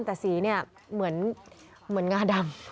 แต่สีเนี่ยเหมือนงาดำ